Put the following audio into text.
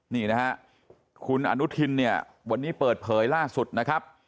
นี่นะฮะคุณอนุทินเนี่ยวันนี้เปิดเผยล่าสุดนะครับ